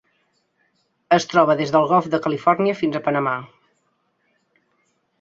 Es troba des del Golf de Califòrnia fins a Panamà.